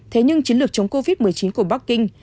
thế nhưng chiến lược chống covid một mươi chín của bắc kinh